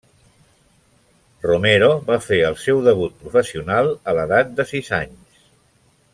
Romero va fer el seu debut professional a l'edat de sis anys.